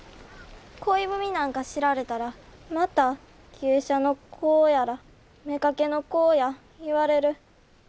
恋文なんか知られたらまた芸者の子やら妾の子や言われる。